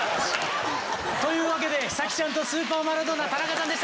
というわけでひさきちゃんとスーパーマラドーナ・田中さんでした。